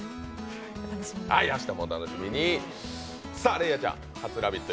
れいあちゃん、初「ラヴィット！」